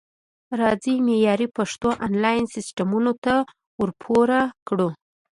راځئ معیاري پښتو انلاین سیستمونو ته ورپوره کړو